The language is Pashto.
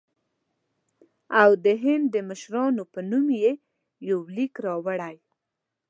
او د هند د مشرانو په نوم یې یو لیک راوړی.